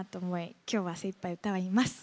今日は精いっぱい歌います！